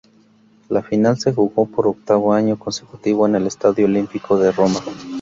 La final se jugó por octavo año consecutivo en el Estadio Olímpico de Roma.